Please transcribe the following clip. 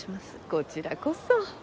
こちらこそ。